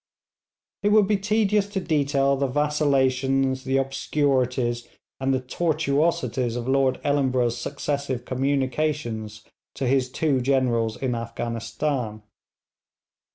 It would be tedious to detail the vacillations, the obscurities, and the tortuosities of Lord Ellenborough's successive communications to his two Generals in Afghanistan.